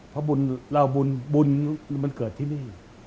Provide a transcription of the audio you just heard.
เพราะบุญมันเกิดที่นี่